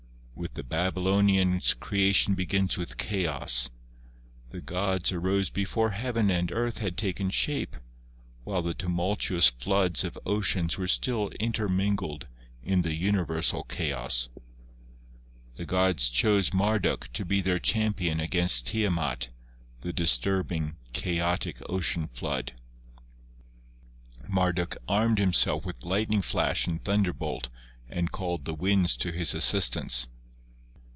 With the Babylonians Creation begins with Chaos. The gods arose before heaven and earth had taken shape, while the tumultuous floods of oceans were still intermingled in the universal chaos. The gods chose Marduk to be their champion against Tiamat, the disturbing, chaotic ocean flood. Mar duk armed himself with lightning flash and thunderbolt and called the winds to his assistance.